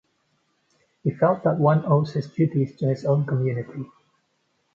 He felt that one owes his duties to his own community.